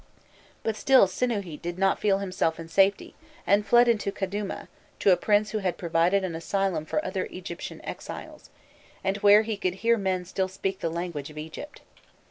But still Sinûhît did not feel himself in safety, and fled into Kadûma, to a prince who had provided an asylum for other Egyptian exiles, and where he "could hear men speak the language of Egypt."